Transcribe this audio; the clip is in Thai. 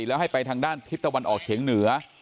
แล้วให้ไปทางด้านทิศตะวันออกเฉียงเหนือ